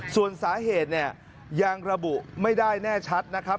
ส่วนสาเหตุเนี่ยยังระบุไม่ได้แน่ชัดนะครับ